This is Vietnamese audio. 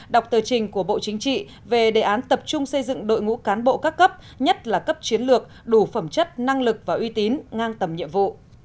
đọc tờ trình của bộ chính trị về đề án tập trung xây dựng đội ngũ cán bộ các cấp nhất là cấp chiến lược đủ phẩm chất năng lực và uy tín ngang tầm nhiệm vụ